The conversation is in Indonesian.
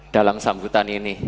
dalam sambutan ini